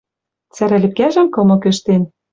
Цӓрӓ лепкӓжӹм кымык ӹштен.